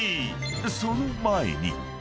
［その前に］